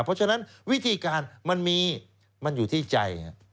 เพราะฉะนั้นวิธีการมันมีมันอยู่ที่ใจ